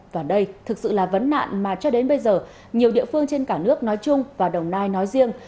và đây thực sự là vấn nạn mà cho đến bây giờ nhiều địa phương trên cả nước nói chung và đồng nai nói riêng